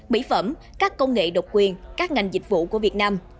mỹ phẩm các công nghệ độc quyền các ngành dịch vụ của việt nam